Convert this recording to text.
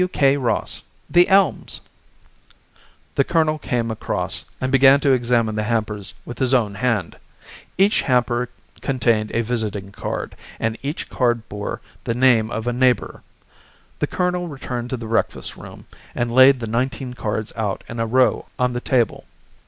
W. K. Ross, The Elms." The colonel came across, and began to examine the hampers with his own hand. Each hamper contained a visiting card, and each card bore the name of a neighbour. The colonel returned to the breakfast room, and laid the nineteen cards out in a row on the table.